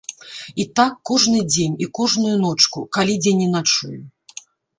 І так кожны дзень і кожную ночку, калі дзе не начую.